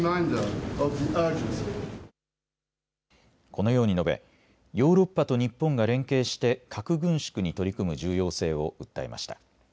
このように述べ、ヨーロッパと日本が連携して核軍縮に取り組む重要性を訴えました。